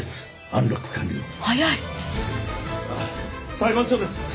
裁判所です。